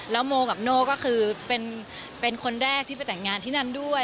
แล้วโมกับโน่ก็คือเป็นคนแรกที่ไปแต่งงานที่นั่นด้วย